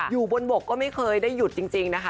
อยู่บนบกก็ไม่เคยได้หยุดจริงนะคะ